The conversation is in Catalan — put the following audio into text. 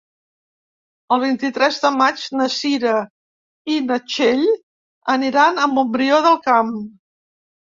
El vint-i-tres de maig na Cira i na Txell aniran a Montbrió del Camp.